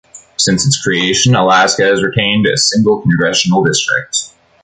Since its creation, Alaska has retained a single congressional district.